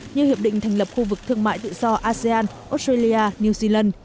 như hiệp định thành lập khu vực thương mại tự do asean australia new zealand